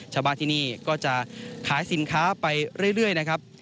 ชาวบ้านที่นี่ก็จะขายสินค้าไปเรื่อยนะครับ